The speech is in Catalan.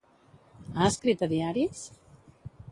Ha escrit a diaris?